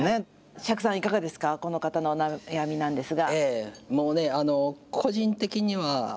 釈さん、いかがですか、この方のお悩みなんですが。